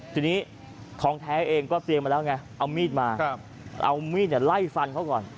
ทีนี้ทองแท้เองก็เตรียมมาแล้วไงเอามีดมาเอามีดไล่ฟันเขาก่อน